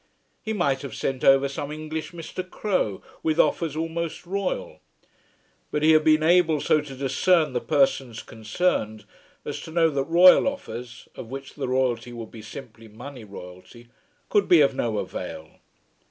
He might have sent over some English Mr. Crowe with offers almost royal; but he had been able so to discern the persons concerned as to know that royal offers, of which the royalty would be simply money royalty, could be of no avail.